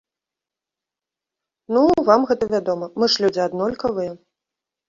Ну, вам гэта вядома, мы ж людзі аднолькавыя.